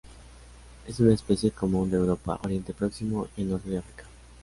Es una especie común de Europa, Oriente próximo y el norte de África.